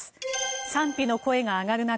賛否の声が上がる中